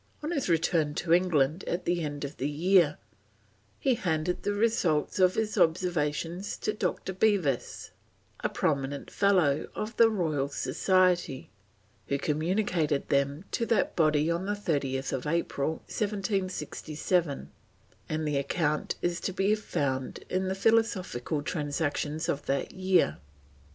On his return to England at the end of the year, he handed the results of his observations to Dr. Bevis, a prominent Fellow of the Royal Society, who communicated them to that body on 30th April 1767, and the account is to be found in the Philosophical Transactions of that year.